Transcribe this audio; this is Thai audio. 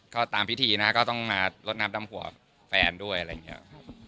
ก็ตามพิธีนะก็ต้องมารดน้ำดำหัวแฟนด้วย